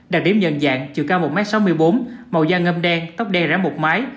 đặc điểm nhận dạng chiều cao một m sáu mươi bốn màu da ngâm đen tóc đen rẽ một mái